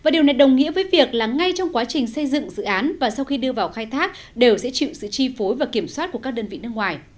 điều này đồng nghĩa với việc là ngay trong quá trình xây dựng dự án và sau khi đưa vào khai thác đều sẽ chịu sự chi phối và kiểm soát của các đơn vị nước ngoài